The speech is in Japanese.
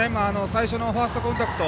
最初のファーストコンタクト